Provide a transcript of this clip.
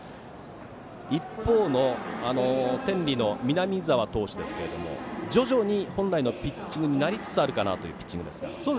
一方の天理の南澤投手ですが徐々に本来のピッチングになりつつあるかなというピッチングですが。